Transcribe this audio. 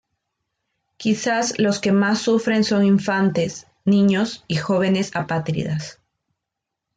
Quizás los que más sufren son infantes, niños y jóvenes apátridas.